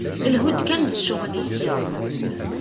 Lhu-d kan d ccɣel-ik!